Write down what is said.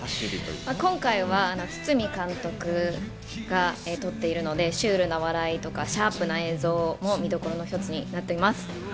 今回は堤監督が撮っているので、シュールな笑いとかシャープな映像も見どころの一つになっています。